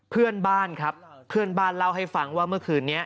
เพื่อนบ้านครับเพื่อนบ้านเล่าให้ฟังว่าเมื่อคืนนี้